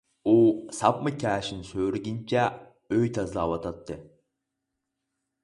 ئۇ ساپما كەشىنى سۆرىگىنىچە ئۆي تازىلاۋاتاتتى.